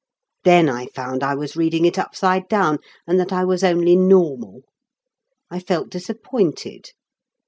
Then I found I was reading it upside down and that I was only normal. I felt disappointed.